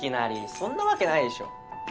そんなわけないでしょ。